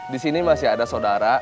di sini masih ada saudara